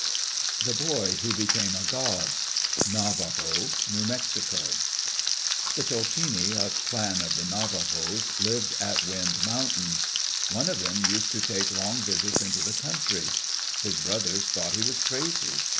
The Boy Who Became A God Navajo (New Mexico) The Tolchini, a clan of the Navajos, lived at Wind Mountains. One of them used to take long visits into the country. His brothers thought he was crazy.